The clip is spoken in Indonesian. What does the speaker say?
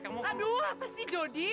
aduh apa sih jodi